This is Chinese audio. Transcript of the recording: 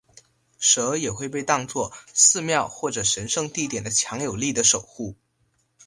蛇也会被当做寺庙或者神圣地点的强有力的守护。